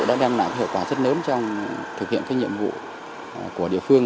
đã đem lại hiệu quả rất lớn trong thực hiện các nhiệm vụ của địa phương